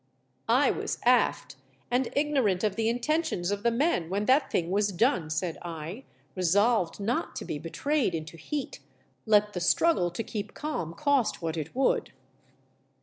" I was aft, and ignorant of the intentions of the men when that thing was done," said I, resolved not to be betrayed into heat, let the struggle to keep calm cost what it would.